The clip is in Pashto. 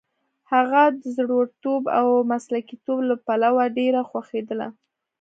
هغه د زړورتوب او مسلکیتوب له پلوه ډېره خوښېدله.